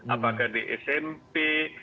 apakah di smp